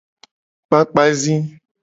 Kpakpa zi.